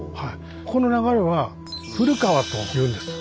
この流れは古川というんです。